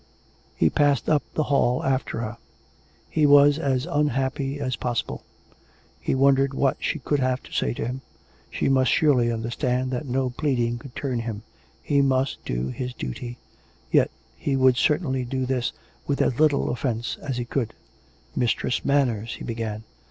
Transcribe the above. He passed up the hall after her. He was as unhappy as possible. He wondered what she could have to say to him ; she must surely understand that no pleading could turn him ; he must do his duty. Yet he would certainly do this with as little offence as he could. " Mistress Manners " he began.